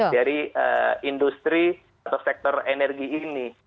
dari industri atau sektor energi ini